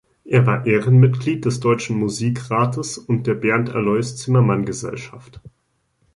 Er war Ehrenmitglied des Deutschen Musikrates und der Bernd-Alois-Zimmermann-Gesellschaft.